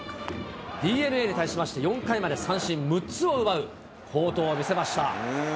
ＤｅＮＡに対しまして、４回まで三振６つを奪う好投を見せました。